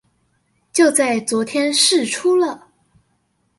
就在昨天釋出了